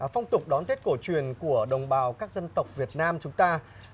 phong tục đón tết cổ truyền của đồng bào các dân tộc việt nam chúng ta